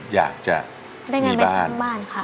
อยากจะมีบ้าน